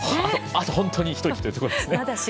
あと本当に一息というところですね。